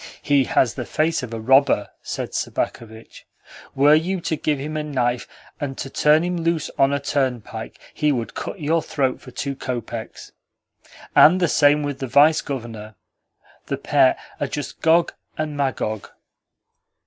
"He has the face of a robber," said Sobakevitch. "Were you to give him a knife, and to turn him loose on a turnpike, he would cut your throat for two kopecks. And the same with the Vice Governor. The pair are just Gog and Magog."